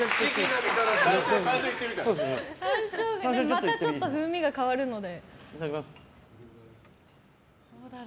またちょっと風味が変わるので。